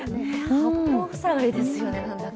八方塞がりですよね。